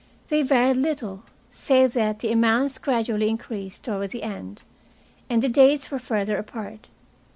They varied little, save that the amounts gradually increased toward the end, and the dates were further apart.